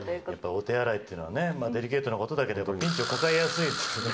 お手洗いっていうのはデリケートなことだけども、ピンチを抱えやすいんですね。